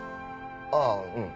ああうん。